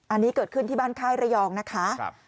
อันนี้เกิดขึ้นที่บ้านค่ายระยองนะคะ